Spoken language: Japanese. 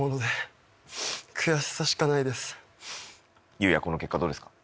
雄哉はこの結果どうですか？